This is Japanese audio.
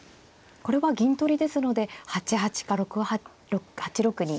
これは銀取りですので８八か８六に。